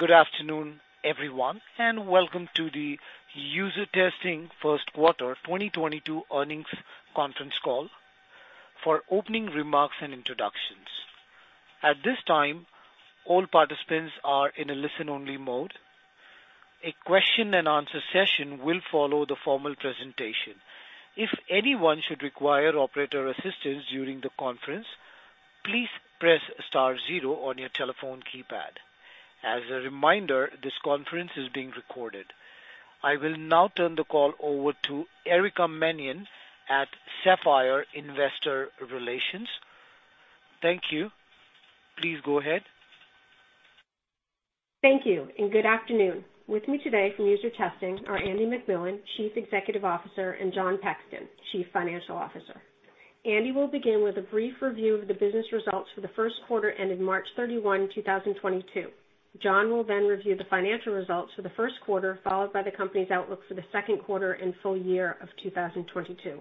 Good afternoon, everyone, and welcome to the UserTesting First Quarter 2022 Earnings Conference Call for opening remarks and introductions. At this time, all participants are in a listen-only mode. A question-and-answer session will follow the formal presentation. If anyone should require operator assistance during the conference, please press star zero on your telephone keypad. As a reminder, this conference is being recorded. I will now turn the call over to Erica Mannion at Sapphire Investor Relations. Thank you. Please go ahead. Thank you, and good afternoon. With me today from UserTesting are Andy MacMillan, Chief Executive Officer, and Jon Pexton, Chief Financial Officer. Andy will begin with a brief review of the business results for the first quarter ending March 31, 2022. John will then review the financial results for the first quarter, followed by the company's outlook for the second quarter and full year of 2022.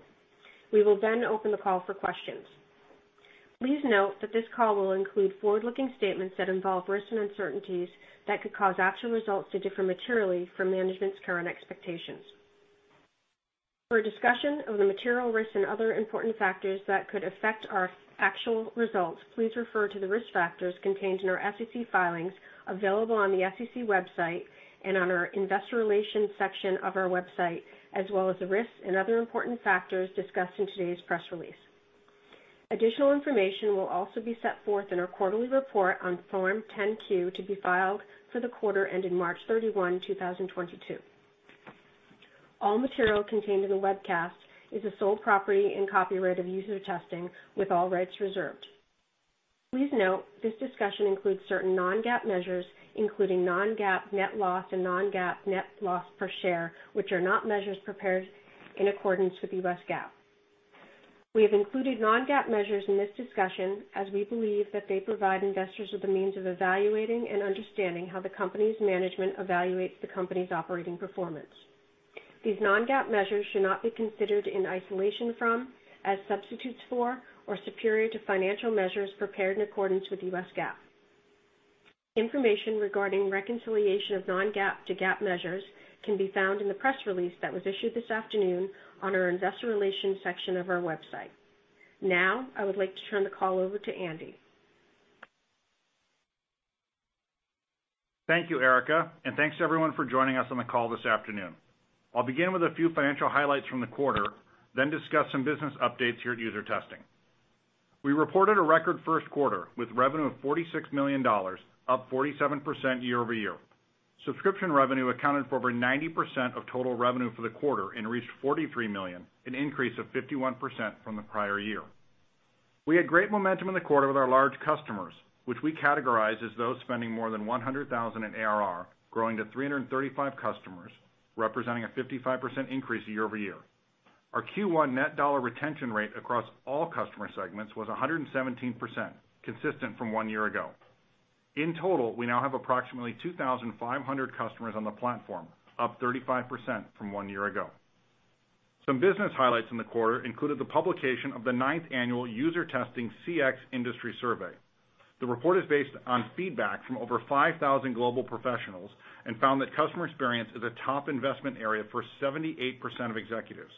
We will then open the call for questions. Please note that this call will include forward-looking statements that involve risks and uncertainties that could cause actual results to differ materially from management's current expectations. For a discussion of the material risks and other important factors that could affect our actual results, please refer to the risk factors contained in our SEC filings available on the SEC website and on our investor relations section of our website, as well as the risks and other important factors discussed in today's press release. Additional information will also be set forth in our quarterly report on Form 10-Q to be filed for the quarter ending March 31, 2022. All material contained in the webcast is the sole property and copyright of UserTesting with all rights reserved. Please note this discussion includes certain non-GAAP measures, including non-GAAP net loss and non-GAAP net loss per share, which are not measures prepared in accordance with U.S. GAAP. We have included non-GAAP measures in this discussion as we believe that they provide investors with a means of evaluating and understanding how the company's management evaluates the company's operating performance. These non-GAAP measures should not be considered in isolation from, as substitutes for, or superior to financial measures prepared in accordance with U.S. GAAP. Information regarding reconciliation of non-GAAP to GAAP measures can be found in the press release that was issued this afternoon on our investor relations section of our website. Now, I would like to turn the call over to Andy. Thank you, Erica, and thanks to everyone for joining us on the call this afternoon. I'll begin with a few financial highlights from the quarter, then discuss some business updates here at UserTesting. We reported a record first quarter with revenue of $46 million, up 47% year-over-year. Subscription revenue accounted for over 90% of total revenue for the quarter and reached $43 million, an increase of 51% from the prior year. We had great momentum in the quarter with our large customers, which we categorize as those spending more than 100,000 in ARR, growing to 335 customers, representing a 55% increase year-over-year. Our Q1 net dollar retention rate across all customer segments was 117%, consistent from one year ago. In total, we now have approximately 2,500 customers on the platform, up 35% from one year ago. Some business highlights in the quarter included the publication of the ninth annual UserTesting CX Industry Survey. The report is based on feedback from over 5,000 global professionals and found that customer experience is a top investment area for 78% of executives.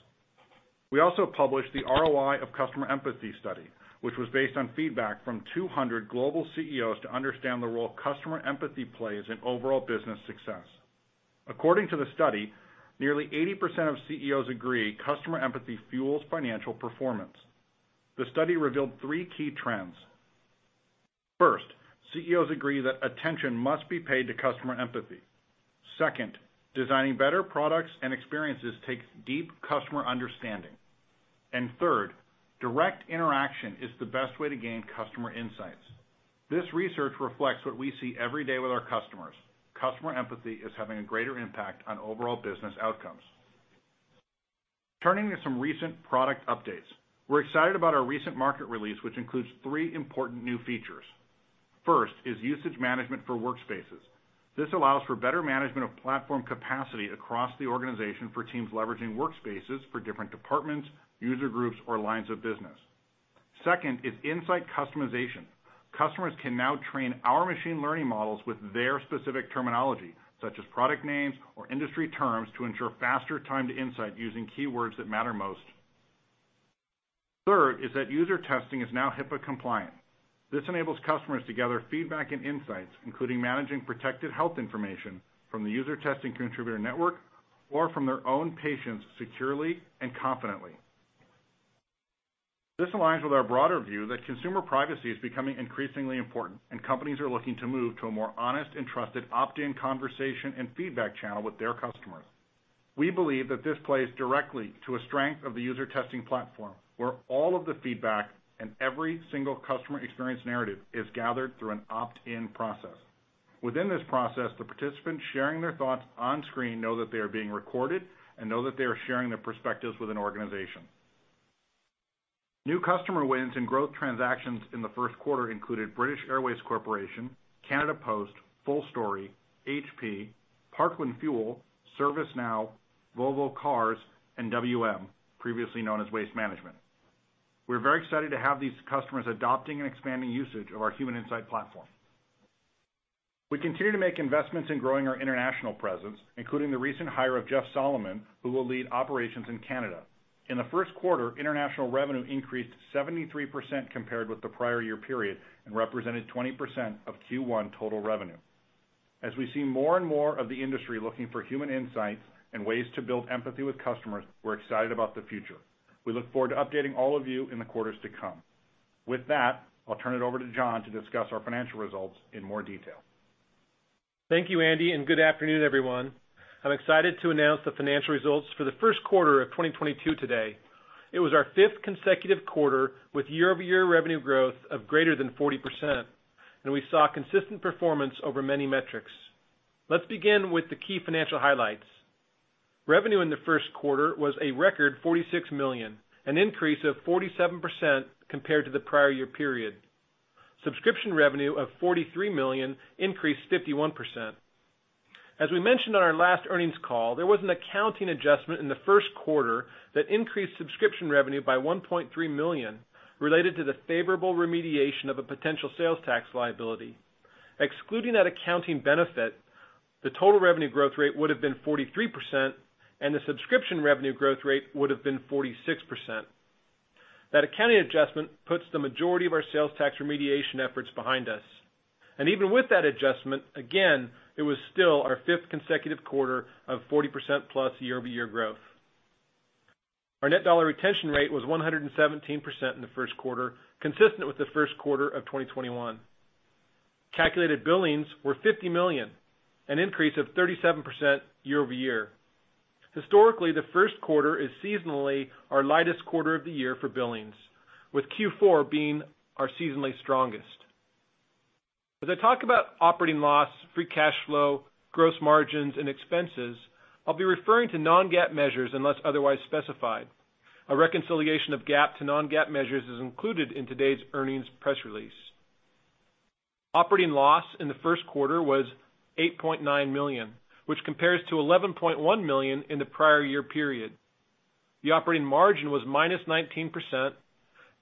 We also published the ROI of Customer Empathy Study, which was based on feedback from 200 global CEOs to understand the role customer empathy plays in overall business success. According to the study, nearly 80% of CEOs agree customer empathy fuels financial performance. The study revealed three key trends. First, CEOs agree that attention must be paid to customer empathy. Second, designing better products and experiences takes deep customer understanding. Third, direct interaction is the best way to gain customer insights. This research reflects what we see every day with our customers. Customer empathy is having a greater impact on overall business outcomes. Turning to some recent product updates. We're excited about our recent major release, which includes three important new features. First is usage management for workspaces. This allows for better management of platform capacity across the organization for teams leveraging workspaces for different departments, user groups, or lines of business. Second is insight customization. Customers can now train our machine learning models with their specific terminology, such as product names or industry terms, to ensure faster time to insight using keywords that matter most. Third is that UserTesting is now HIPAA compliant. This enables customers to gather feedback and insights, including managing protected health information from the UserTesting contributor network or from their own patients securely and confidently. This aligns with our broader view that consumer privacy is becoming increasingly important, and companies are looking to move to a more honest and trusted opt-in conversation and feedback channel with their customers. We believe that this plays directly to a strength of the UserTesting platform, where all of the feedback and every single customer experience narrative is gathered through an opt-in process. Within this process, the participants sharing their thoughts on screen know that they are being recorded and know that they are sharing their perspectives with an organization. New customer wins and growth transactions in the first quarter included British Airways, Canada Post, FullStory, HP, Parkland Corporation, ServiceNow, Volvo Cars, and WM, previously known as Waste Management, Inc. We're very excited to have these customers adopting and expanding usage of our Human Insight Platform. We continue to make investments in growing our international presence, including the recent hire of Jeff Solomon, who will lead operations in Canada. In the first quarter, international revenue increased 73% compared with the prior year period and represented 20% of Q1 total revenue. As we see more and more of the industry looking for human insights and ways to build empathy with customers, we're excited about the future. We look forward to updating all of you in the quarters to come. With that, I'll turn it over to Jon to discuss our financial results in more detail. Thank you, Andy, and good afternoon, everyone. I'm excited to announce the financial results for the first quarter of 2022 today. It was our fifth consecutive quarter with year-over-year revenue growth of greater than 40%, and we saw consistent performance over many metrics. Let's begin with the key financial highlights. Revenue in the first quarter was a record $46 million, an increase of 47% compared to the prior year period. Subscription revenue of $43 million increased 51%. As we mentioned on our last earnings call, there was an accounting adjustment in the first quarter that increased subscription revenue by $1.3 million related to the favorable remediation of a potential sales tax liability. Excluding that accounting benefit, the total revenue growth rate would have been 43%, and the subscription revenue growth rate would have been 46%. That accounting adjustment puts the majority of our sales tax remediation efforts behind us. Even with that adjustment, again, it was still our fifth consecutive quarter of 40%+ year-over-year growth. Our net dollar retention rate was 117% in the first quarter, consistent with the first quarter of 2021. Calculated billings were $50 million, an increase of 37% year-over-year. Historically, the first quarter is seasonally our lightest quarter of the year for billings, with Q4 being our seasonally strongest. As I talk about operating loss, free cash flow, gross margins, and expenses, I'll be referring to non-GAAP measures unless otherwise specified. A reconciliation of GAAP to non-GAAP measures is included in today's earnings press release. Operating loss in the first quarter was $8.9 million, which compares to $11.1 million in the prior year period. The operating margin was -19%,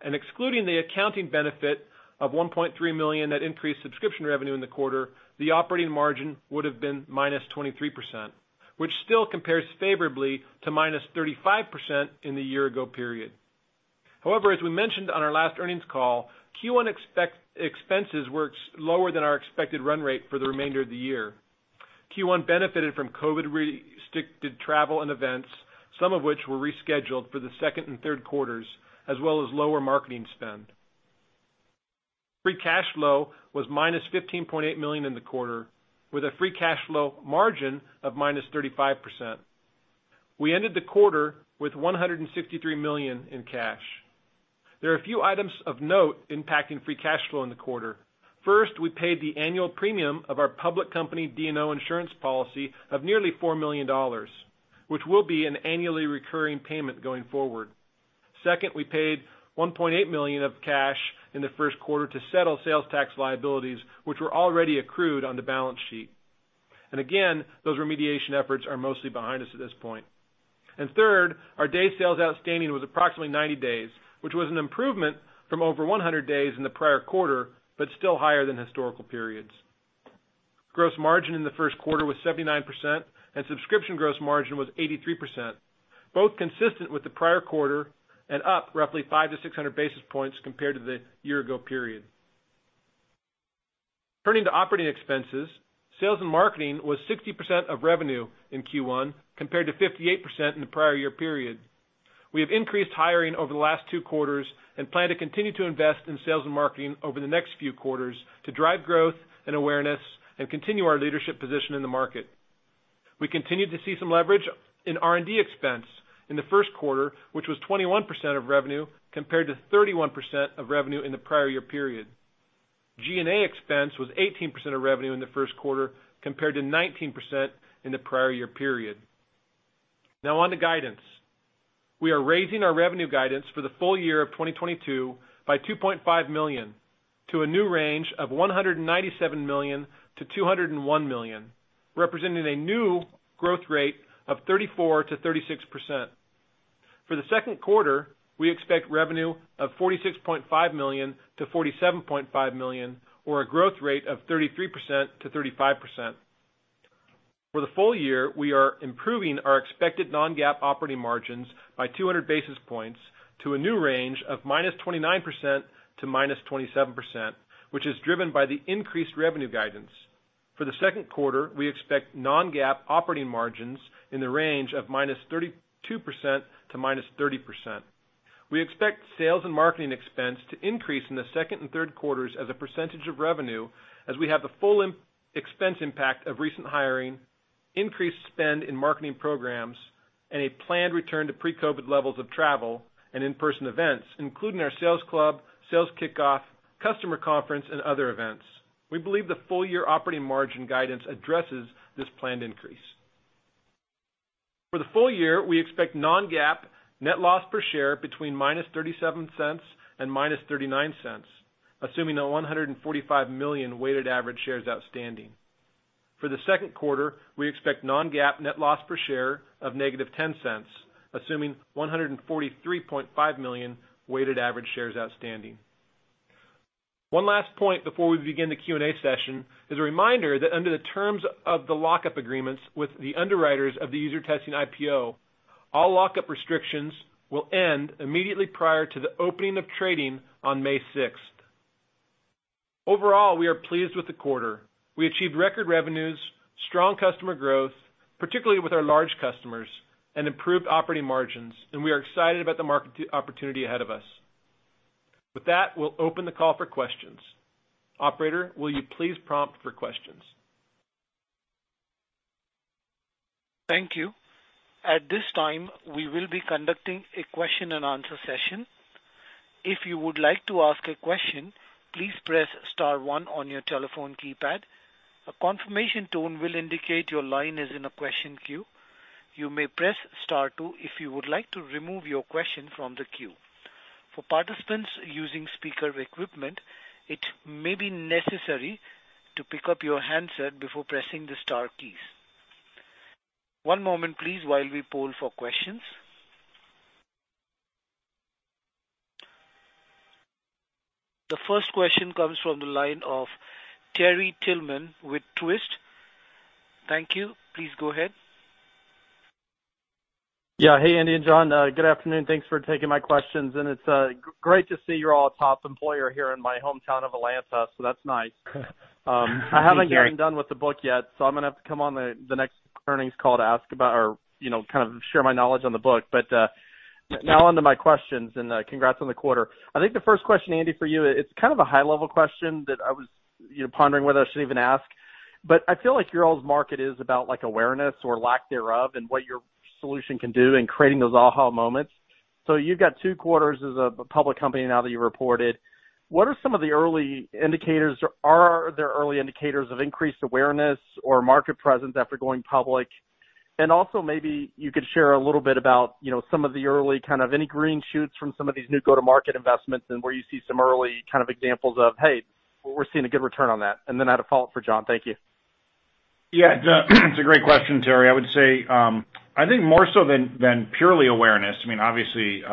and excluding the accounting benefit of $1.3 million that increased subscription revenue in the quarter, the operating margin would have been -23%, which still compares favorably to -35% in the year ago period. However, as we mentioned on our last earnings call, Q1 expenses were lower than our expected run rate for the remainder of the year. Q1 benefited from COVID-restricted travel and events, some of which were rescheduled for the second and third quarters, as well as lower marketing spend. Free cash flow was -$15.8 million in the quarter, with a free cash flow margin of -35%. We ended the quarter with $163 million in cash. There are a few items of note impacting free cash flow in the quarter. First, we paid the annual premium of our public company D&O insurance policy of nearly $4 million, which will be an annually recurring payment going forward. Second, we paid $1.8 million of cash in the first quarter to settle sales tax liabilities, which were already accrued on the balance sheet. Again, those remediation efforts are mostly behind us at this point. Third, our day sales outstanding was approximately 90 days, which was an improvement from over 100 days in the prior quarter, but still higher than historical periods. Gross margin in the first quarter was 79%, and subscription gross margin was 83%, both consistent with the prior quarter and up roughly 500 basis points-600 basis points compared to the year-ago period. Turning to operating expenses, sales and marketing was 60% of revenue in Q1, compared to 58% in the prior year period. We have increased hiring over the last two quarters and plan to continue to invest in sales and marketing over the next few quarters to drive growth and awareness and continue our leadership position in the market. We continued to see some leverage in R&D expense in the first quarter, which was 21% of revenue compared to 31% of revenue in the prior year period. G&A expense was 18% of revenue in the first quarter compared to 19% in the prior year period. Now on to guidance. We are raising our revenue guidance for the full year of 2022 by $2.5 million to a new range of $197 million-$201 million, representing a new growth rate of 34%-36%. For the second quarter, we expect revenue of $46.5 million-$47.5 million, or a growth rate of 33%-35%. For the full year, we are improving our expected non-GAAP operating margins by 200 basis points to a new range of -29% to -27%, which is driven by the increased revenue guidance. For the second quarter, we expect non-GAAP operating margins in the range of -32% to -30%. We expect sales and marketing expense to increase in the second and third quarters as a percentage of revenue as we have the full expense impact of recent hiring, increased spend in marketing programs, and a planned return to pre-COVID levels of travel and in-person events, including our sales club, sales kickoff, customer conference, and other events. We believe the full-year operating margin guidance addresses this planned increase. For the full year, we expect non-GAAP net loss per share between -$0.37 and -$0.39, assuming 145 million weighted average shares outstanding. For the second quarter, we expect non-GAAP net loss per share of -$0.10, assuming 143.5 million weighted average shares outstanding. One last point before we begin the Q&A session is a reminder that under the terms of the lock-up agreements with the underwriters of the UserTesting IPO, all lock-up restrictions will end immediately prior to the opening of trading on May sixth. Overall, we are pleased with the quarter. We achieved record revenues, strong customer growth, particularly with our large customers, and improved operating margins, and we are excited about the market opportunity ahead of us. With that, we'll open the call for questions. Operator, will you please prompt for questions? Thank you. At this time, we will be conducting a question-and-answer session. If you would like to ask a question, please press star one on your telephone keypad. A confirmation tone will indicate your line is in a question queue. You may press star two if you would like to remove your question from the queue. For participants using speaker equipment, it may be necessary to pick up your handset before pressing the star keys. One moment, please, while we poll for questions. The first question comes from the line of Terry Tillman with Truist. Thank you. Please go ahead. Yeah. Hey, Andy and John. Good afternoon. Thanks for taking my questions. It's great to see y'all a top employer here in my hometown of Atlanta, so that's nice. Good to see you, Terry. I haven't gotten done with the book yet, so I'm gonna have to come on the next earnings call to ask about or, you know, kind of share my knowledge on the book. Now on to my questions, and congrats on the quarter. I think the first question, Andy, for you, it's kind of a high level question that I was, you know, pondering whether I should even ask. I feel like your all's market is about like awareness or lack thereof and what your solution can do in creating those aha moments. You've got two quarters as a public company now that you reported. What are some of the early indicators? Are there early indicators of increased awareness or market presence after going public? Also, maybe you could share a little bit about, you know, some of the early kind of any green shoots from some of these new go-to-market investments and where you see some early kind of examples of, "Hey, we're seeing a good return on that." Then I had a follow-up for Jon. Thank you. Yeah, it's a great question, Terry. I would say, I think more so than purely awareness, I mean, obviously,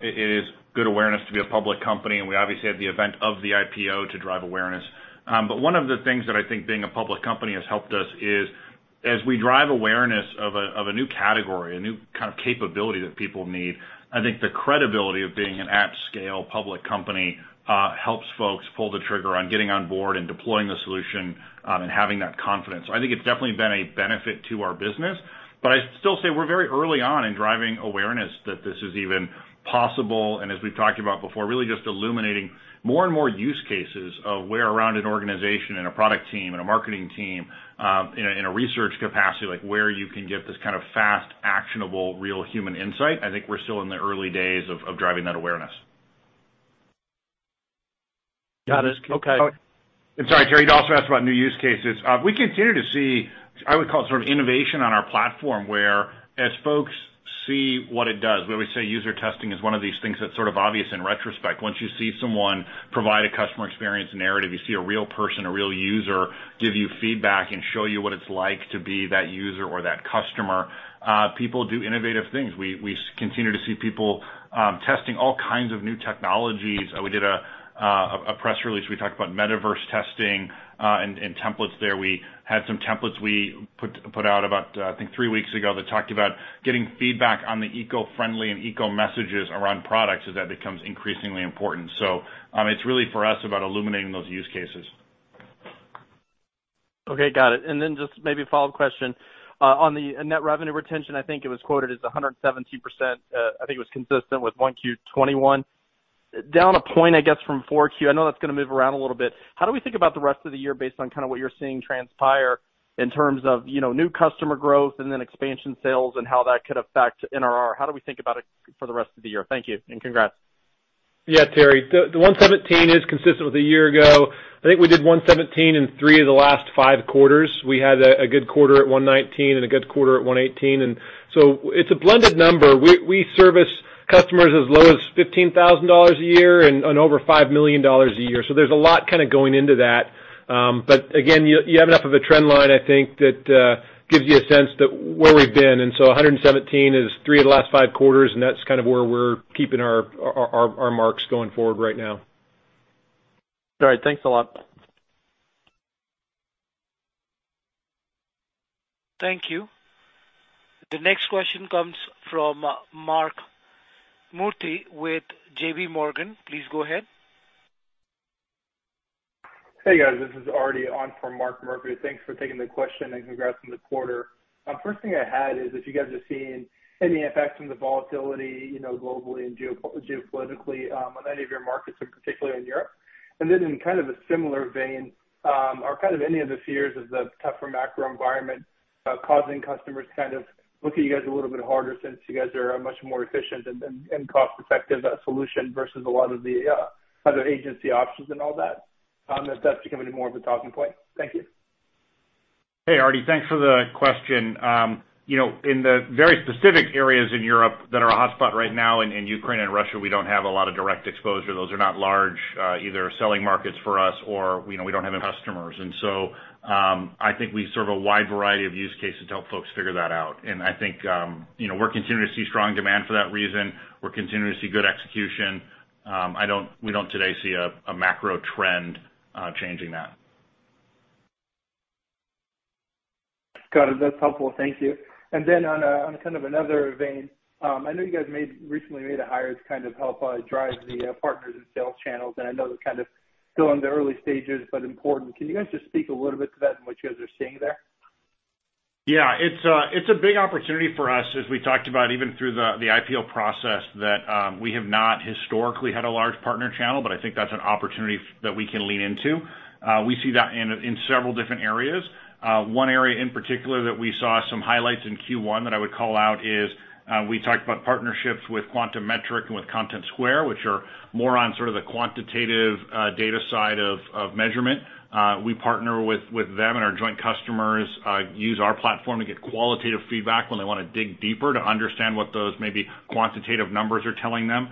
it is good awareness to be a public company, and we obviously have the event of the IPO to drive awareness. But one of the things that I think being a public company has helped us is, as we drive awareness of a new category, a new kind of capability that people need, I think the credibility of being an at-scale public company helps folks pull the trigger on getting on board and deploying the solution, and having that confidence. I think it's definitely been a benefit to our business. I still say we're very early on in driving awareness that this is even possible, and as we've talked about before, really just illuminating more and more use cases of where around an organization and a product team and a marketing team, in a research capacity, like where you can get this kind of fast, actionable, real human insight. I think we're still in the early days of driving that awareness. Got it. Okay. I'm sorry, Terry. You'd also asked about new use cases. We continue to see, I would call it sort of innovation on our platform, whereas folks see what it does, where we say user testing is one of these things that's sort of obvious in retrospect. Once you see someone provide a Customer Experience Narrative, you see a real person, a real user give you feedback and show you what it's like to be that user or that customer, people do innovative things. We continue to see people testing all kinds of new technologies. We did a press release. We talked about metaverse testing, and templates there. We had some templates we put out about, I think three weeks ago that talked about getting feedback on the eco-friendly and eco-messages around products as that becomes increasingly important. It's really for us about illuminating those use cases. Okay, got it. Just maybe a follow-up question. On the net revenue retention, I think it was quoted as 117%. I think it was consistent with 1Q 2021. Down a point, I guess, from 4Q. I know that's gonna move around a little bit. How do we think about the rest of the year based on kinda what you're seeing transpire in terms of, you know, new customer growth and then expansion sales and how that could affect NRR? How do we think about it for the rest of the year? Thank you and congrats. Yeah, Terry. The 117 is consistent with a year ago. I think we did 117 in three of the last five quarters. We had a good quarter at 119 and a good quarter at 118. It's a blended number. We service customers as low as $15,000 a year and over $5 million a year. So there's a lot kinda going into that. But again, you have enough of a trend line, I think, that gives you a sense that where we've been. 117 is three of the last five quarters, and that's kind of where we're keeping our marks going forward right now. All right. Thanks a lot. Thank you. The next question comes from Mark Murphy with JPMorgan. Please go ahead. Hey, guys, this is Ari on for Mark Murphy. Thanks for taking the question, and congrats on the quarter. First thing I had is if you guys are seeing any effects from the volatility, you know, globally and geopolitically, on any of your markets, and particularly in Europe. Then in kind of a similar vein, are kind of any of the fears of the tougher macro environment, causing customers to kind of look at you guys a little bit harder since you guys are a much more efficient and cost-effective solution versus a lot of the other agency options and all that? If that's becoming more of a talking point. Thank you. Hey, Ari, thanks for the question. You know, in the very specific areas in Europe that are hotspot right now in Ukraine and Russia, we don't have a lot of direct exposure. Those are not large either selling markets for us or we don't have any customers. I think we serve a wide variety of use cases to help folks figure that out. I think you know, we're continuing to see strong demand for that reason. We're continuing to see good execution. We don't today see a macro trend changing that. Got it. That's helpful. Thank you. Then on kind of another vein, I know you guys made recently a hire to kind of help drive the partners and sales channels, and I know they're kind of still in the early stages but important. Can you guys just speak a little bit to that and what you guys are seeing there? Yeah. It's a big opportunity for us as we talked about even through the IPO process that we have not historically had a large partner channel, but I think that's an opportunity that we can lean into. We see that in several different areas. One area in particular that we saw some highlights in Q1 that I would call out is we talked about partnerships with Quantum Metric and with Contentsquare, which are more on sort of the quantitative data side of measurement. We partner with them, and our joint customers use our platform to get qualitative feedback when they wanna dig deeper to understand what those maybe quantitative numbers are telling them.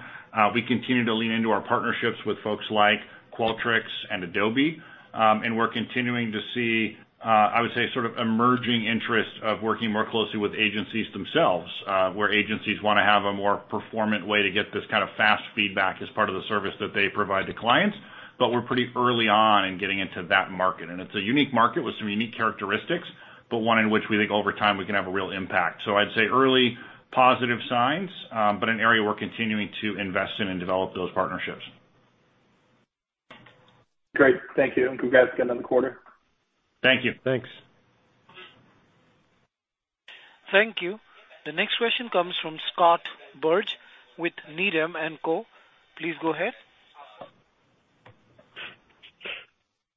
We continue to lean into our partnerships with folks like Qualtrics and Adobe. We're continuing to see, I would say, sort of emerging interest of working more closely with agencies themselves, where agencies wanna have a more performant way to get this kind of fast feedback as part of the service that they provide to clients. We're pretty early on in getting into that market. It's a unique market with some unique characteristics, but one in which we think over time we can have a real impact. I'd say early positive signs, but an area we're continuing to invest in and develop those partnerships. Great. Thank you. Congrats again on the quarter. Thank you. Thanks. Thank you. The next question comes from Scott Berg with Needham & Co. Please go ahead.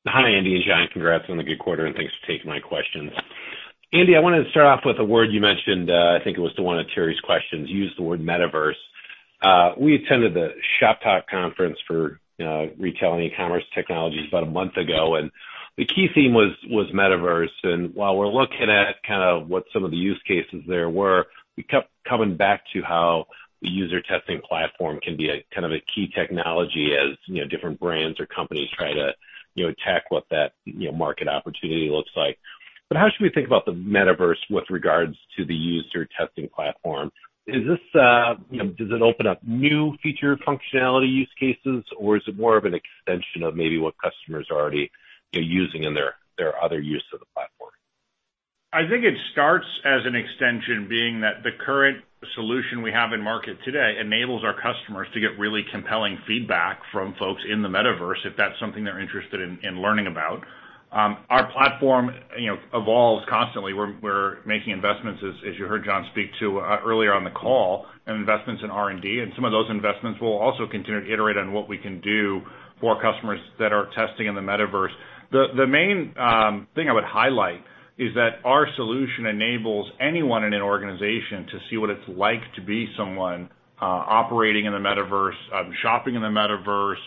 Hi, Andy and Jon. Congrats on the good quarter, and thanks for taking my questions. Andy, I wanted to start off with a word you mentioned, I think it was to one of Terry's questions. You used the word metaverse. We attended the Shoptalk conference for retail and e-commerce technologies about a month ago, and the key theme was metaverse. While we're looking at kinda what some of the use cases there were, we kept coming back to how the UserTesting platform can be a kind of a key technology as you know different brands or companies try to you know attack what that you know market opportunity looks like. How should we think about the metaverse with regards to the UserTesting platform? Is this, you know, does it open up new feature functionality use cases, or is it more of an extension of maybe what customers are already, you know, using in their other use of the platform? I think it starts as an extension, being that the current solution we have in market today enables our customers to get really compelling feedback from folks in the metaverse if that's something they're interested in learning about. Our platform, you know, evolves constantly. We're making investments, as you heard Jon speak to earlier on the call, and investments in R&D, and some of those investments will also continue to iterate on what we can do for customers that are testing in the metaverse. The main thing I would highlight is that our solution enables anyone in an organization to see what it's like to be someone operating in the metaverse, shopping in the metaverse,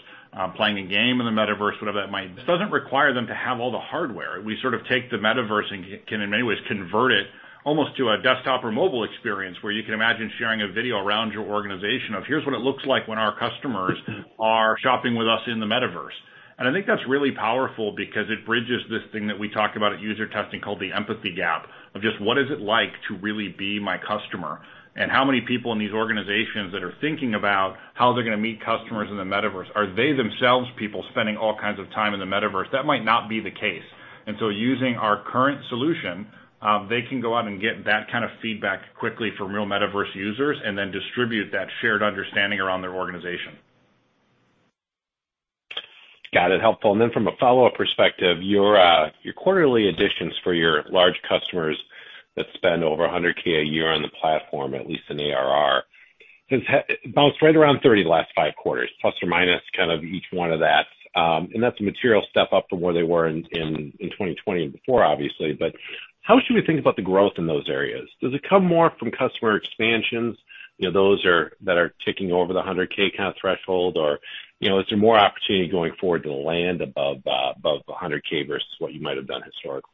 playing a game in the metaverse, whatever that might. It doesn't require them to have all the hardware. We sort of take the metaverse and can in many ways convert it almost to a desktop or mobile experience where you can imagine sharing a video around your organization of here's what it looks like when our customers are shopping with us in the metaverse. I think that's really powerful because it bridges this thing that we talk about at UserTesting called the empathy gap, of just what is it like to really be my customer? How many people in these organizations that are thinking about how they're gonna meet customers in the metaverse, are they themselves people spending all kinds of time in the metaverse? That might not be the case. Using our current solution, they can go out and get that kind of feedback quickly from real metaverse users and then distribute that shared understanding around their organization. Got it. Helpful. From a follow-up perspective, your quarterly additions for your large customers that spend over 100K a year on the platform, at least in ARR, has bounced right around 30 the last five quarters, ± kind of each one of that. That's a material step up from where they were in 2020 and before obviously. How should we think about the growth in those areas? Does it come more from customer expansions, you know, those that are ticking over the 100,000 kind of threshold? You know, is there more opportunity going forward to land above the 100,000 versus what you might have done historically?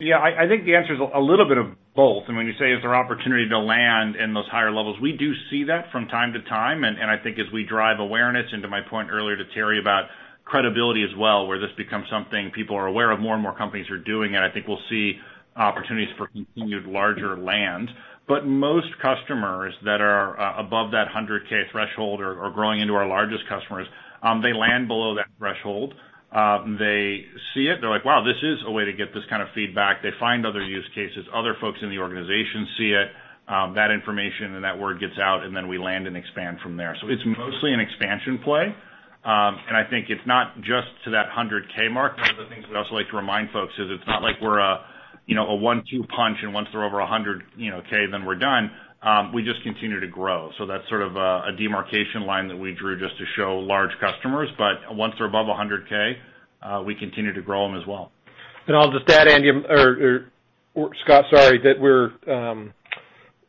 Yeah, I think the answer is a little bit of both. When you say is there opportunity to land in those higher levels, we do see that from time to time. I think as we drive awareness, and to my point earlier to Terry about credibility as well, where this becomes something people are aware of, more and more companies are doing it, I think we'll see opportunities for continued larger land. Most customers that are above that 100,000 threshold or growing into our largest customers, they land below that threshold. They see it. They're like, "Wow, this is a way to get this kind of feedback." They find other use cases. Other folks in the organization see it. That information and that word gets out, and then we land and expand from there. It's mostly an expansion play. I think it's not just to that 100,000 mark. One of the things we also like to remind folks is it's not like we're a, you know, a one-two punch, and once they're over a 100,000, then we're done. We just continue to grow. That's sort of a demarcation line that we drew just to show large customers. Once they're above a 100,000, we continue to grow them as well. I'll just add, Andy, or Scott, sorry, that we're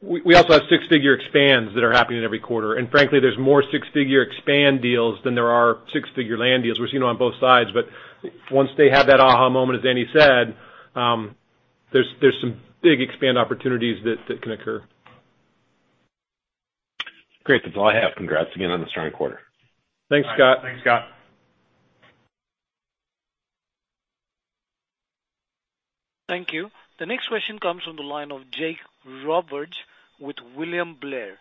We also have six-figure expands that are happening every quarter. Frankly, there's more six-figure expand deals than there are six-figure land deals. We've seen on both sides. Once they have that aha moment, as Andy said, there's some big expand opportunities that can occur. Great. That's all I have. Congrats again on the strong quarter. Thanks, Scott. Thanks, Scott. Thank you. The next question comes from the line of Jake Roberge with William Blair.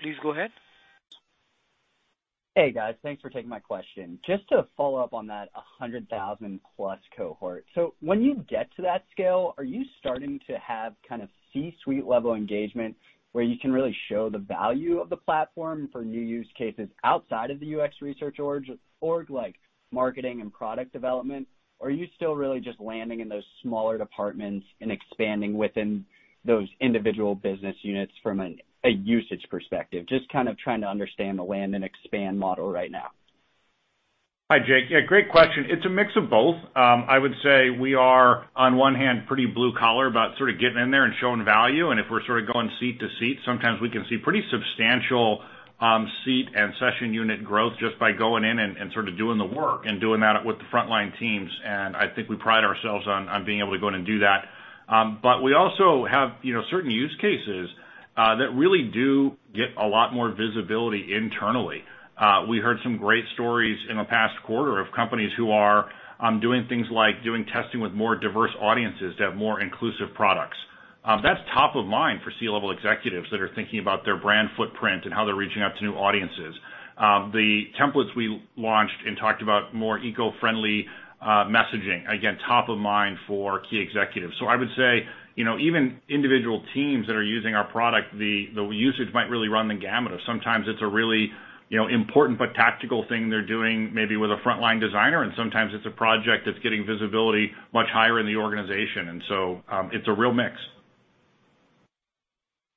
Please go ahead. Hey, guys. Thanks for taking my question. Just to follow up on that 100,000+ cohort. So when you get to that scale, are you starting to have kind of C-suite level engagement where you can really show the value of the platform for new use cases outside of the UX research org, like marketing and product development? Or are you still really just landing in those smaller departments and expanding within those individual business units from a usage perspective? Just kind of trying to understand the land and expand model right now. Hi, Jake. Yeah, great question. It's a mix of both. I would say we are, on one hand, pretty blue collar about sort of getting in there and showing value. If we're sort of going seat to seat, sometimes we can see pretty substantial seat and session unit growth just by going in and sort of doing the work and doing that with the frontline teams. I think we pride ourselves on being able to go in and do that. We also have, you know, certain use cases that really do get a lot more visibility internally. We heard some great stories in the past quarter of companies who are doing things like doing testing with more diverse audiences to have more inclusive products. That's top of mind for C-level executives that are thinking about their brand footprint and how they're reaching out to new audiences. The templates we launched and talked about more eco-friendly messaging, again, top of mind for key executives. I would say, you know, even individual teams that are using our product, the usage might really run the gamut of sometimes it's a really, you know, important but tactical thing they're doing maybe with a frontline designer, and sometimes it's a project that's getting visibility much higher in the organization. It's a real mix.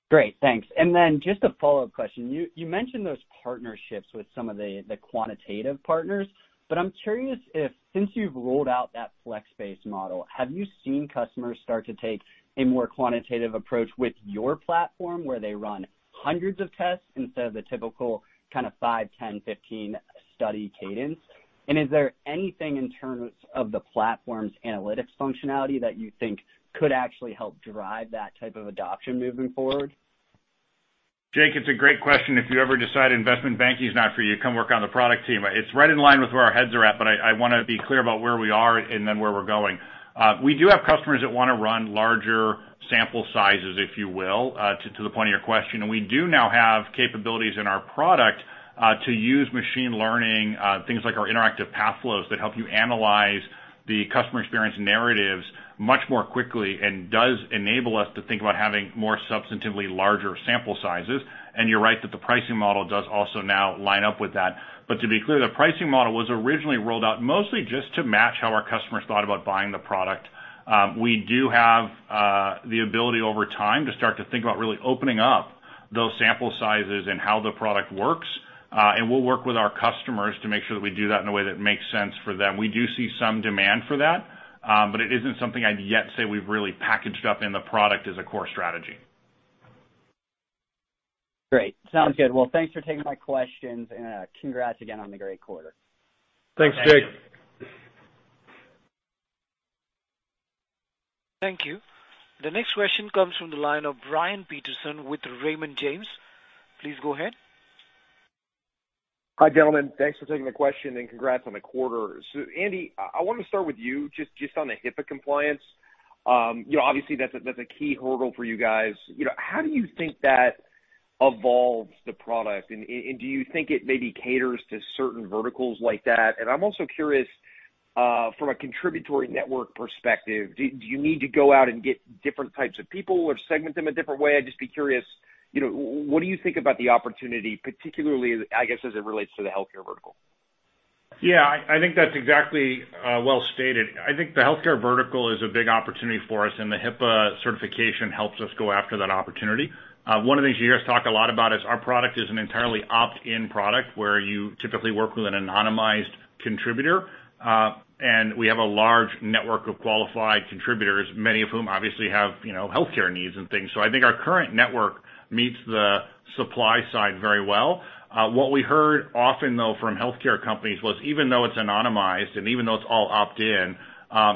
Great. Thanks. Then just a follow-up question. You mentioned those partnerships with some of the quantitative partners, but I'm curious if since you've rolled out that flex-based model, have you seen customers start to take a more quantitative approach with your platform, where they run hundreds of tests instead of the typical kind of five, 10, 15 study cadence? Is there anything in terms of the platform's analytics functionality that you think could actually help drive that type of adoption moving forward? Jake, it's a great question. If you ever decide investment banking is not for you, come work on the product team. It's right in line with where our heads are at, but I wanna be clear about where we are and then where we're going. We do have customers that wanna run larger sample sizes, if you will, to the point of your question. We do now have capabilities in our product to use machine learning, things like our interactive path flows that help you analyze the Customer Experience Narratives much more quickly and does enable us to think about having more substantively larger sample sizes. You're right that the pricing model does also now line up with that. To be clear, the pricing model was originally rolled out mostly just to match how our customers thought about buying the product. We do have the ability over time to start to think about really opening up those sample sizes and how the product works. We'll work with our customers to make sure that we do that in a way that makes sense for them. We do see some demand for that, but it isn't something I'd yet say we've really packaged up in the product as a core strategy. Great. Sounds good. Well, thanks for taking my questions, and congrats again on the great quarter. Thanks, Jake. Thanks. Thank you. The next question comes from the line of Brian Peterson with Raymond James. Please go ahead. Hi, gentlemen. Thanks for taking the question and congrats on the quarter. Andy, I wanna start with you just on the HIPAA compliance. You know, obviously that's a key hurdle for you guys. You know, how do you think that evolves the product? Do you think it maybe caters to certain verticals like that? I'm also curious from a contributory network perspective, do you need to go out and get different types of people or segment them a different way? I'd just be curious, you know, what do you think about the opportunity, particularly, I guess, as it relates to the healthcare vertical? Yeah. I think that's exactly, well stated. I think the healthcare vertical is a big opportunity for us, and the HIPAA certification helps us go after that opportunity. One of the things you hear us talk a lot about is our product is an entirely opt-in product where you typically work with an anonymized contributor, and we have a large network of qualified contributors, many of whom obviously have, you know, healthcare needs and things. So I think our current network meets the supply side very well. What we heard often, though, from healthcare companies was even though it's anonymized and even though it's all opt-in,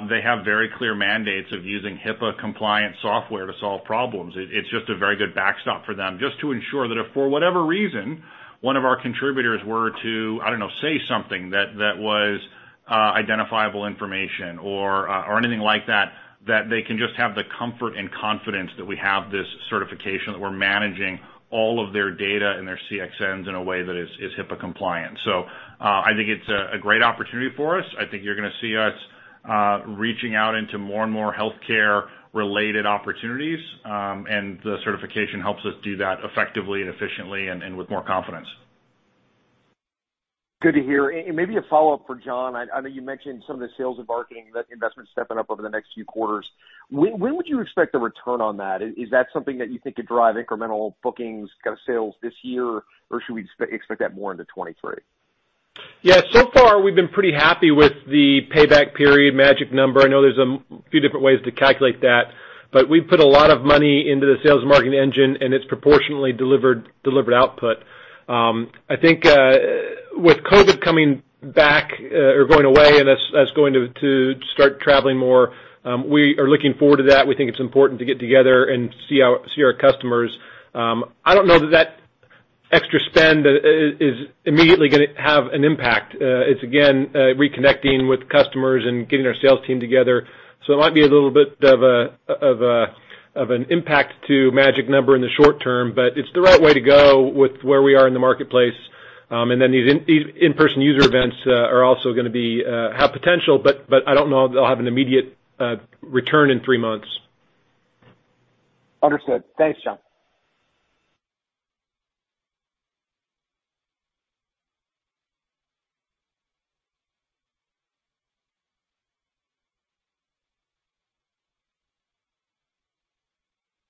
they have very clear mandates of using HIPAA compliant software to solve problems. It's just a very good backstop for them just to ensure that if for whatever reason, one of our contributors were to, I don't know, say something that that was identifiable information or or anything like that they can just have the comfort and confidence that we have this certification, that we're managing all of their data and their CXNs in a way that is HIPAA compliant. I think it's a great opportunity for us. I think you're gonna see us reaching out into more and more healthcare-related opportunities, and the certification helps us do that effectively and efficiently and with more confidence. Good to hear. Maybe a follow-up for Jon. I know you mentioned some of the sales and marketing investments stepping up over the next few quarters. When would you expect a return on that? Is that something that you think could drive incremental bookings, kind of sales this year? Or should we expect that more into 2023? Yeah, so far we've been pretty happy with the payback period Magic Number. I know there's a few different ways to calculate that, but we've put a lot of money into the sales marketing engine, and it's proportionately delivered output. I think with COVID coming back or going away, and us going to start traveling more, we are looking forward to that. We think it's important to get together and see our customers. I don't know that that extra spend is immediately gonna have an impact. It's again reconnecting with customers and getting our sales team together. It might be a little bit of an impact to Magic Number in the short term, but it's the right way to go with where we are in the marketplace. These in-person user events are also gonna have potential, but I don't know they'll have an immediate return in three months. Understood. Thanks, Jon.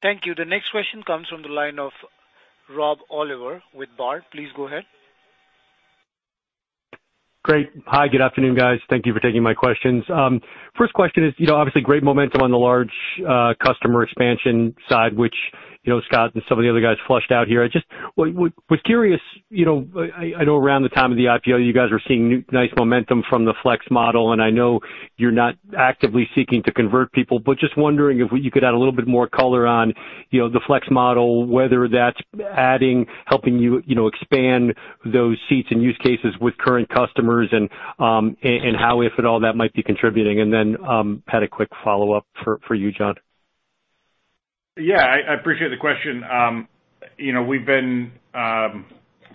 Thank you. The next question comes from the line of Rob Oliver with Baird. Please go ahead. Great. Hi, good afternoon, guys. Thank you for taking my questions. First question is, you know, obviously great momentum on the large customer expansion side, which, you know, Scott and some of the other guys fleshed out here. I was curious, you know, I know around the time of the IPO, you guys were seeing nice momentum from the Flex model, and I know you're not actively seeking to convert people, but just wondering if you could add a little bit more color on, you know, the Flex model, whether that's adding, helping you know, expand those seats and use cases with current customers and how, if at all, that might be contributing. Had a quick follow-up for you, Jon. Yeah. I appreciate the question. You know, we've been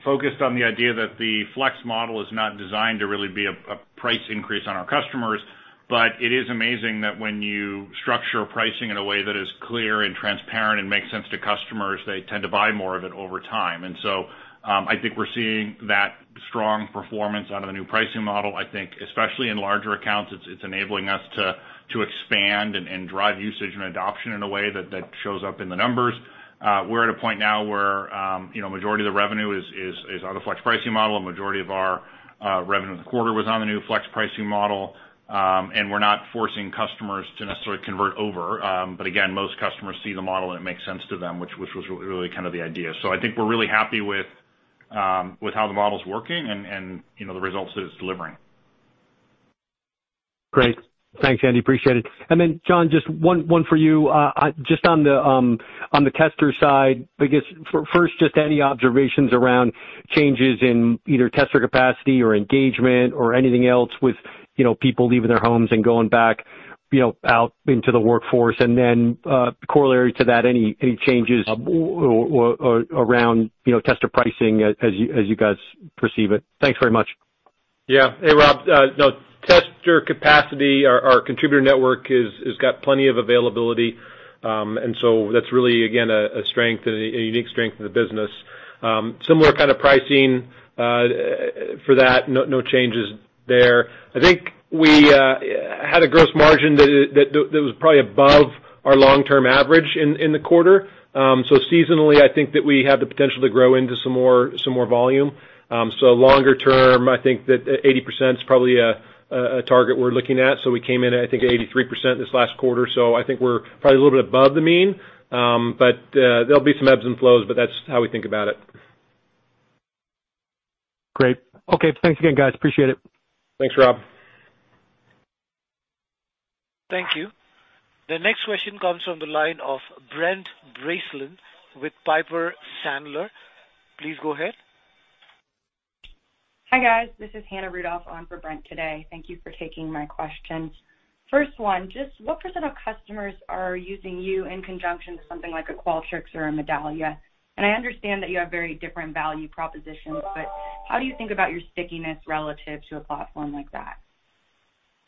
focused on the idea that the Flex model is not designed to really be a price increase on our customers, but it is amazing that when you structure pricing in a way that is clear and transparent and makes sense to customers, they tend to buy more of it over time. I think we're seeing that strong performance out of the new pricing model. I think especially in larger accounts, it's enabling us to expand and drive usage and adoption in a way that shows up in the numbers. We're at a point now where you know, majority of the revenue is on the Flex pricing model. A majority of our revenue in the quarter was on the new Flex pricing model. We're not forcing customers to necessarily convert over. Again, most customers see the model and it makes sense to them, which was really kind of the idea. I think we're really happy with how the model's working and, you know, the results it is delivering. Great. Thanks, Andy. Appreciate it. Jon, just one for you. Just on the tester side, I guess first, just any observations around changes in either tester capacity or engagement or anything else with, you know, people leaving their homes and going back, you know, out into the workforce. Corollary to that, any changes around, you know, tester pricing as you guys perceive it. Thanks very much. Yeah. Hey, Rob. No tester capacity. Our contributor network has got plenty of availability. That's really, again, a strength and a unique strength of the business. Similar kind of pricing for that, no changes there. I think we had a gross margin that was probably above our long-term average in the quarter. Seasonally, I think that we have the potential to grow into some more volume. Longer term, I think that 80% is probably a target we're looking at. We came in at, I think, 83% this last quarter. I think we're probably a little bit above the mean. There'll be some ebbs and flows, but that's how we think about it. Great. Okay. Thanks again, guys. Appreciate it. Thanks, Rob. Thank you. The next question comes from the line of Brent Bracelin with Piper Sandler. Please go ahead. Hi, guys. This is Hannah Rudoff on for Brent today. Thank you for taking my questions. First one, just what % of customers are using you in conjunction to something like a Qualtrics or a Medallia? I understand that you have very different value propositions, but how do you think about your stickiness relative to a platform like that?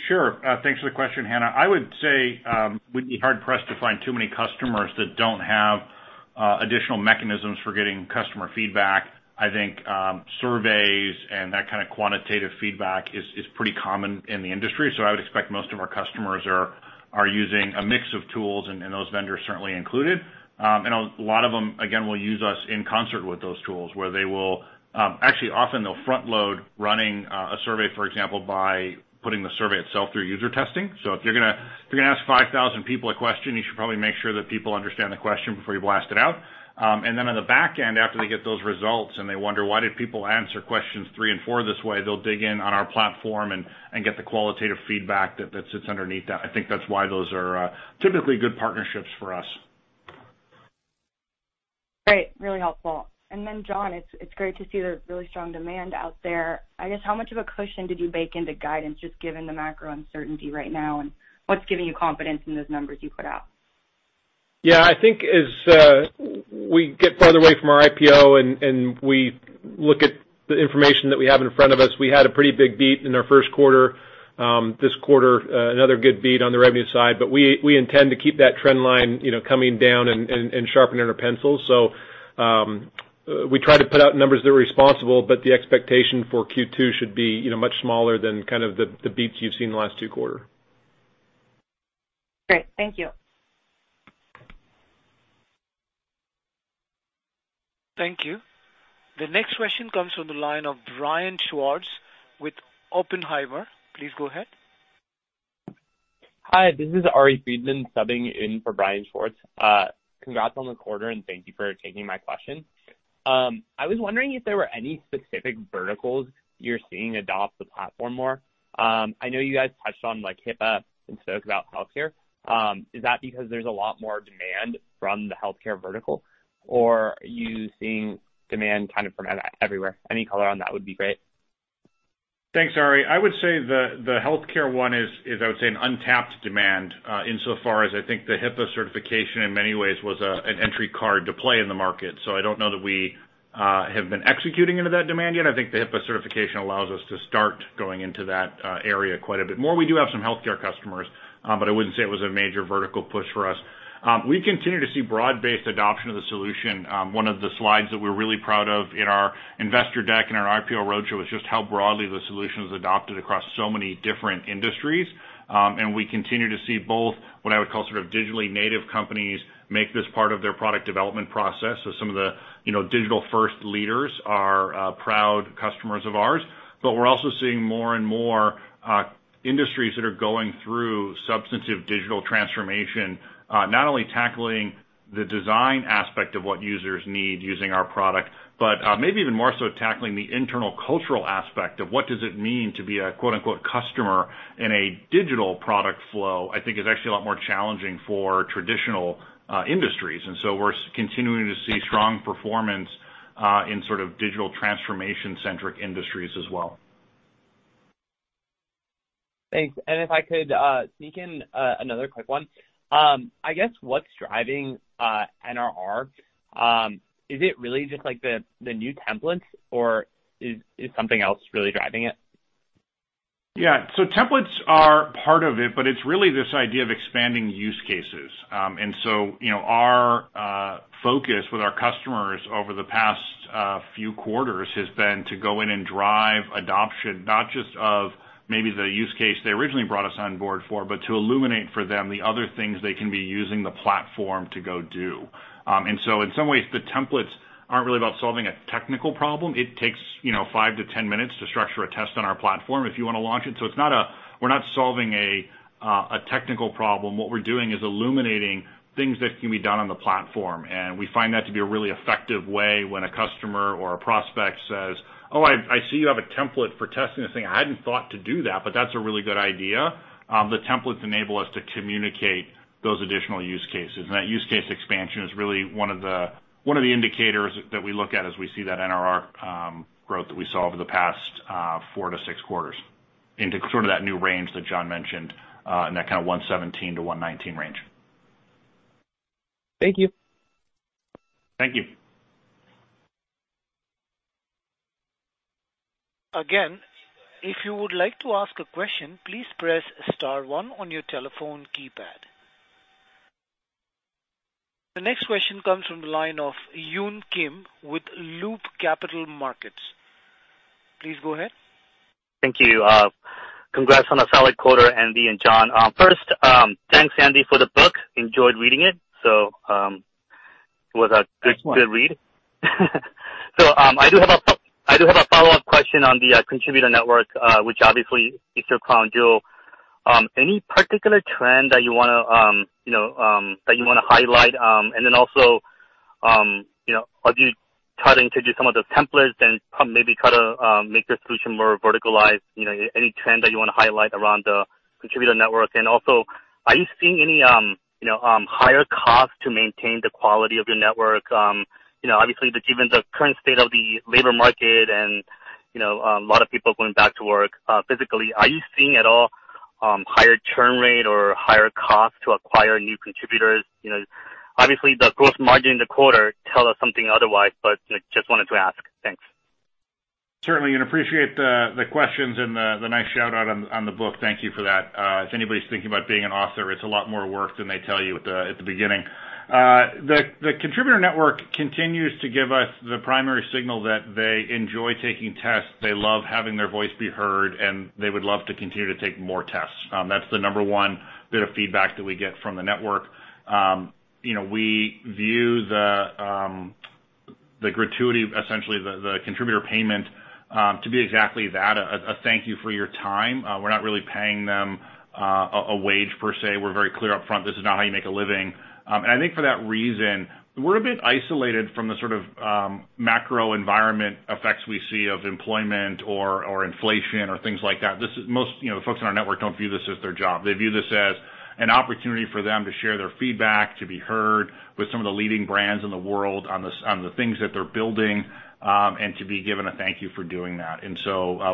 Sure. Thanks for the question, Hannah. I would say we'd be hard-pressed to find too many customers that don't have additional mechanisms for getting customer feedback. I think surveys and that kind of quantitative feedback is pretty common in the industry. I would expect most of our customers are using a mix of tools, and those vendors certainly included. A lot of them, again, will use us in concert with those tools where they will actually often they'll front load running a survey, for example, by putting the survey itself through UserTesting. If you're gonna ask 5,000 people a question, you should probably make sure that people understand the question before you blast it out. On the back end, after they get those results and they wonder why did people answer questions three and four this way, they'll dig in on our platform and get the qualitative feedback that sits underneath that. I think that's why those are typically good partnerships for us. Great. Really helpful. Jon, it's great to see the really strong demand out there. I guess, how much of a cushion did you bake into guidance just given the macro uncertainty right now, and what's giving you confidence in those numbers you put out? Yeah. I think as we get farther away from our IPO and we look at the information that we have in front of us, we had a pretty big beat in our first quarter, this quarter, another good beat on the revenue side, but we intend to keep that trend line, you know, coming down and sharpening our pencils. We try to put out numbers that are responsible, but the expectation for Q2 should be, you know, much smaller than kind of the beats you've seen in the last two quarters. Great. Thank you. Thank you. The next question comes from the line of Brian Schwartz with Oppenheimer. Please go ahead. Hi, this is Ari Friedman subbing in for Brian Schwartz. Congrats on the quarter, and thank you for taking my question. I was wondering if there were any specific verticals you're seeing adopt the platform more. I know you guys touched on, like, HIPAA and spoke about healthcare. Is that because there's a lot more demand from the healthcare vertical or are you seeing demand kind of from everywhere? Any color on that would be great. Thanks, Ari. I would say the healthcare one is I would say an untapped demand, insofar as I think the HIPAA certification in many ways was an entry card to play in the market. I don't know that we have been executing into that demand yet. I think the HIPAA certification allows us to start going into that area quite a bit more. We do have some healthcare customers, but I wouldn't say it was a major vertical push for us. We continue to see broad-based adoption of the solution. One of the slides that we're really proud of in our investor deck, in our IPO roadshow is just how broadly the solution is adopted across so many different industries. We continue to see both what I would call sort of digitally native companies make this part of their product development process. Some of the, you know, digital first leaders are proud customers of ours. We're also seeing more and more industries that are going through substantive digital transformation, not only tackling the design aspect of what users need using our product, but maybe even more so, tackling the internal cultural aspect of what does it mean to be a quote-unquote customer in a digital product flow. I think is actually a lot more challenging for traditional industries. We're continuing to see strong performance in sort of digital transformation-centric industries as well. Thanks. If I could sneak in another quick one. I guess what's driving NRR? Is it really just like the new templates or is something else really driving it? Yeah. Templates are part of it, but it's really this idea of expanding use cases. You know, our focus with our customers over the past few quarters has been to go in and drive adoption, not just of maybe the use case they originally brought us on board for, but to illuminate for them the other things they can be using the platform to go do. In some ways, the templates aren't really about solving a technical problem. It takes, you know, five to 10 minutes to structure a test on our platform if you wanna launch it. It's not a. We're not solving a technical problem. What we're doing is illuminating things that can be done on the platform, and we find that to be a really effective way when a customer or a prospect says, "Oh, I see you have a template for testing this thing. I hadn't thought to do that, but that's a really good idea." The templates enable us to communicate those additional use cases, and that use case expansion is really one of the indicators that we look at as we see that NRR growth that we saw over the past four to six quarters into sort of that new range that John mentioned in that kinda 117%-119% range. Thank you. Thank you. Again, if you would like to ask a question, please press star one on your telephone keypad. The next question comes from the line of Yun Kim with Loop Capital Markets. Please go ahead. Thank you. Congrats on a solid quarter, Andy and John. First, thanks, Andy, for the book. Enjoyed reading it. It was a good read. I do have a follow-up question on the contributor network, which obviously is your crown jewel. Any particular trend that you wanna highlight? Then also, you know, are you trying to do some of the templates and maybe try to make your solution more verticalized? You know, any trend that you wanna highlight around the contributor network. Also, are you seeing any higher costs to maintain the quality of your network? You know, obviously, given the current state of the labor market and, you know, a lot of people going back to work physically, are you seeing at all higher churn rate or higher costs to acquire new contributors? You know, obviously the growth margin in the quarter tell us something otherwise, but, you know, just wanted to ask. Thanks. Certainly, appreciate the questions and the nice shout-out on the book. Thank you for that. If anybody's thinking about being an author, it's a lot more work than they tell you at the beginning. The contributor network continues to give us the primary signal that they enjoy taking tests, they love having their voice be heard, and they would love to continue to take more tests. That's the number one bit of feedback that we get from the network. You know, we view the gratuity, essentially the contributor payment, to be exactly that, a thank you for your time. We're not really paying them a wage per se. We're very clear upfront, this is not how you make a living. I think for that reason, we're a bit isolated from the sort of macro environment effects we see of employment or inflation or things like that. Most, you know, folks on our network don't view this as their job. They view this as an opportunity for them to share their feedback, to be heard with some of the leading brands in the world on the things that they're building, and to be given a thank you for doing that.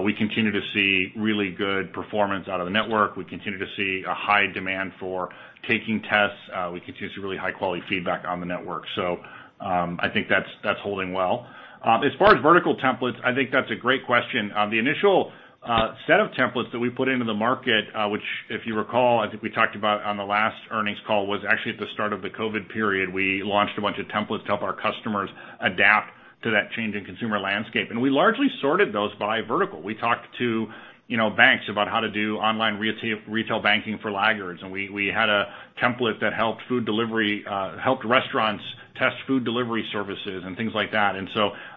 We continue to see really good performance out of the network. We continue to see a high demand for taking tests. We continue to see really high-quality feedback on the network. I think that's holding well. As far as vertical templates, I think that's a great question. The initial set of templates that we put into the market, which if you recall, I think we talked about on the last earnings call, was actually at the start of the COVID period. We launched a bunch of templates to help our customers adapt to that change in consumer landscape. We largely sorted those by vertical. We talked to, you know, banks about how to do online retail banking for laggards. We had a template that helped food delivery, helped restaurants test food delivery services and things like that.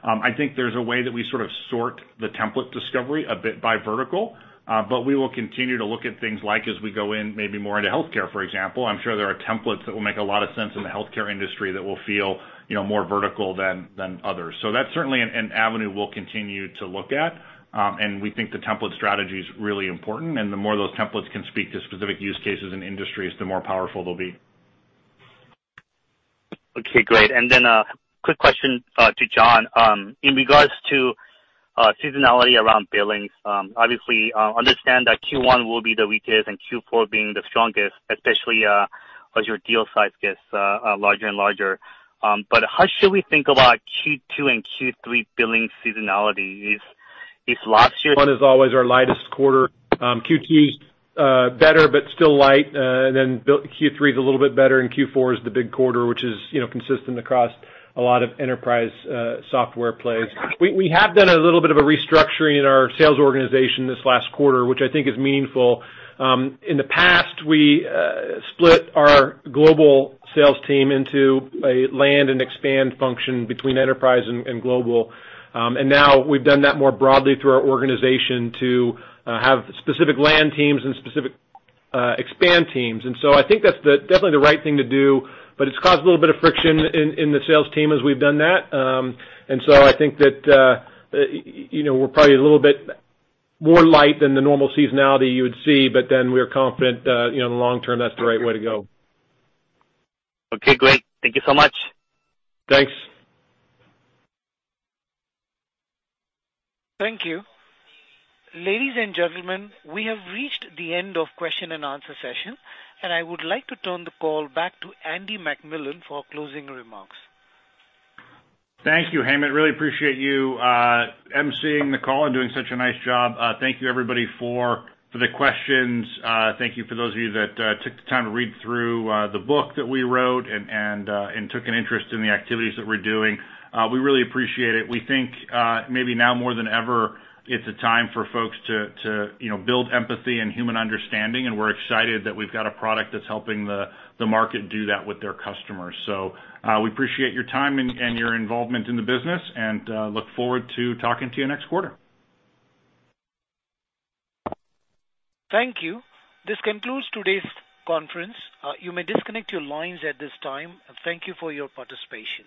I think there's a way that we sort of sort the template discovery a bit by vertical, but we will continue to look at things like as we go in maybe more into healthcare, for example. I'm sure there are templates that will make a lot of sense in the healthcare industry that will feel, you know, more vertical than others. That's certainly an avenue we'll continue to look at. We think the template strategy is really important, and the more those templates can speak to specific use cases in industries, the more powerful they'll be. Okay, great. A quick question to Jon Pexton. In regards to seasonality around billings, obviously understand that Q1 will be the weakest and Q4 being the strongest, especially as your deal size gets larger and larger. How should we think about Q2 and Q3 billing seasonality? Is last year- One is always our lightest quarter. Q2's better but still light. Q3 is a little bit better, and Q4 is the big quarter, which is, you know, consistent across a lot of enterprise software plays. We have done a little bit of a restructuring in our sales organization this last quarter, which I think is meaningful. In the past, we split our global sales team into a land and expand function between enterprise and global. Now we've done that more broadly through our organization to have specific land teams and specific expand teams. I think that's definitely the right thing to do, but it's caused a little bit of friction in the sales team as we've done that. I think that, you know, we're probably a little bit more light than the normal seasonality you would see, but then we're confident, you know, in the long term, that's the right way to go. Okay, great. Thank you so much. Thanks. Thank you. Ladies and gentlemen, we have reached the end of question and answer session, and I would like to turn the call back to Andy MacMillan for closing remarks. Thank you, Hemant. Really appreciate you emceeing the call and doing such a nice job. Thank you everybody for the questions. Thank you for those of you that took the time to read through the book that we wrote and took an interest in the activities that we're doing. We really appreciate it. We think maybe now more than ever, it's a time for folks to you know build empathy and human understanding, and we're excited that we've got a product that's helping the market do that with their customers. We appreciate your time and your involvement in the business and look forward to talking to you next quarter. Thank you. This concludes today's conference. You may disconnect your lines at this time, and thank you for your participation.